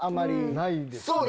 ないですね。